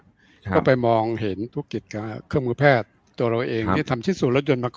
ก็ไปมองเห็นธุรกิจกับเครื่องมือแพทย์ตัวเราเองที่ทำชิ้นส่วนรถยนต์มาก่อน